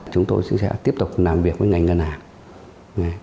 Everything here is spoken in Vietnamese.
chúng tôi sẽ tiếp tục làm việc với ngành ngân hàng